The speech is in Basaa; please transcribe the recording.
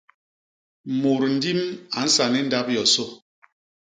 Mut ndim a nsa ni ndap yosô.